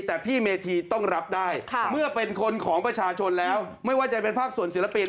แต่พี่เมธีต้องรับได้เมื่อเป็นคนของประชาชนแล้วไม่ว่าจะเป็นภาคส่วนศิลปิน